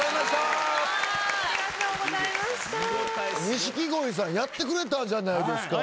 錦鯉さんやってくれたじゃないですか。